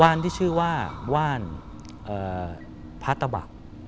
นที่ชื่อว่าว่านพระตะบะ